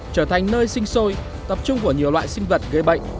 trở thành nơi sinh sôi tập trung của nhiều loại sinh vật gây bệnh